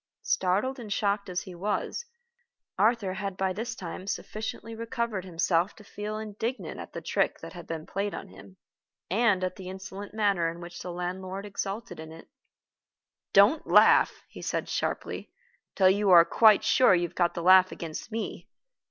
Startled and shocked as he was, Arthur had by this time sufficiently recovered himself to feel indignant at the trick that had been played on him, and at the insolent manner in which the landlord exulted in it. "Don't laugh," he said sharply, "till you are quite sure you have got the laugh against me.